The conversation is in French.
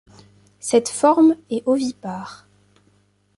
Cette forme est ovipare.